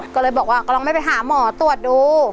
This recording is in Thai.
ก็เลยบอกว่าก็ลองไม่ไปหาหมอตรวจดู